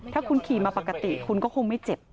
ถ้าคุณขี่มาปกติคุณก็คงไม่เจ็บ